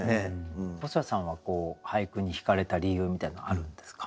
細谷さんは俳句にひかれた理由みたいなのあるんですか？